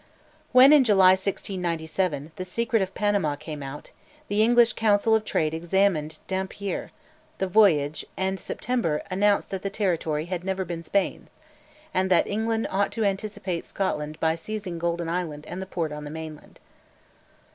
When, in July 1697, the secret of Panama came out, the English Council of Trade examined Dampier, the voyager, and (September) announced that the territory had never been Spain's, and that England ought to anticipate Scotland by seizing Golden Island and the port on the mainland.